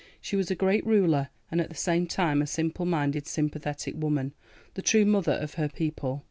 She was a great ruler, and at the same time a simple minded, sympathetic woman, the true mother of her people.